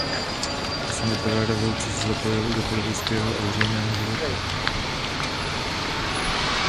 Po sametové revoluci se zapojil i do politického a veřejného života.